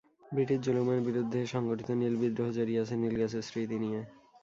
British জুলুমের বিরুদ্ধে সংগঠিত নীল বিদ্রোহ জড়িয়ে আছে নীলগাছের স্মৃতি নিয়ে।